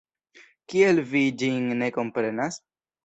Kiel vi ĝin ne komprenas?